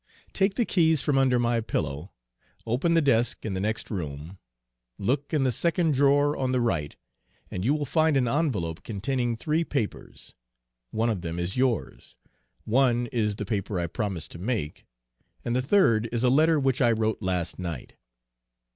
Take the keys from under my pillow, open the desk in the next room, look in the second drawer on the right, and you will find an envelope containing three papers: one of them is yours, one is the paper I promised to make, and the third is a letter which I wrote last night.